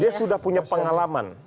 dia sudah punya pengalaman